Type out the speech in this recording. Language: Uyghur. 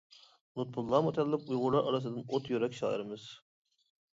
لۇتپۇللا مۇتەللىپ ئۇيغۇرلار ئارىسىدىن ئوت يۈرەك شائىرىمىز.